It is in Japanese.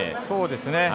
そうですね。